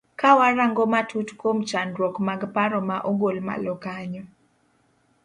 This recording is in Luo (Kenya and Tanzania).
Kawa rango matut kuom chandruok mag paro ma ogol malo kanyo.